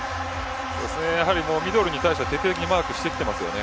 やはりにミドルに対して徹底的にマークしていますよね。